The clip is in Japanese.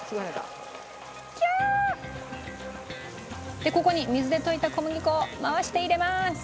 でここに水で溶いた小麦粉を回して入れます。